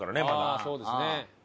ああそうですね。